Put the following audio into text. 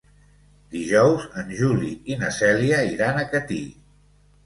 Dijous en Juli i na Cèlia iran a Catí.